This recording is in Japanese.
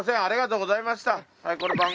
ありがとうございます。